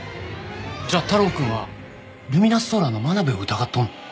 じゃあ太郎くんはルミナスソーラーの真鍋を疑っとんの？